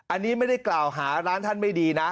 อันนี้ไม่ได้กล่าวหาร้านท่านไม่ดีนะ